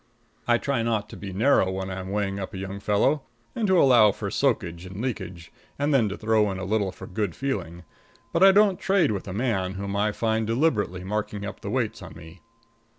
I try not to be narrow when I'm weighing up a young fellow, and to allow for soakage and leakage, and then to throw in a little for good feeling; but I don't trade with a man whom I find deliberately marking up the weights on me.